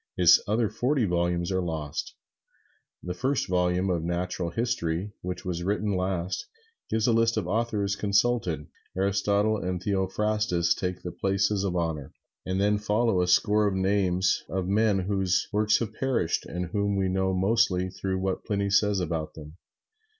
His other forty volumes are lost. The first volume of the "Natural History," which was written last, gives a list of the authors consulted. Aristotle and Theophrastus take the places of honor, and then follow a score of names of men whose works have perished and whom we know mostly through what Pliny says about them.